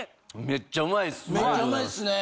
めっちゃうまいっすね。